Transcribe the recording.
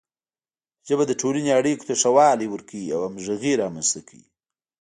ژبه د ټولنې اړیکو ته ښه والی ورکوي او همغږي رامنځته کوي.